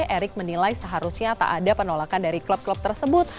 erick menilai seharusnya tak ada penolakan dari klub klub tersebut